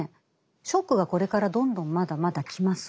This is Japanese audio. ショックがこれからどんどんまだまだ来ます。